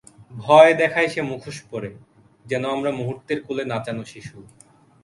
ভয় দেখায় সে মুখোশ পরে–যেন আমরা মুহূর্তের কোলে নাচানো শিশু।